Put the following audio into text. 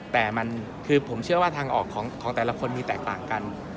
แต่มันคือผมเชื่อว่าทางออกของแต่ละคนมีแตกต่างกัน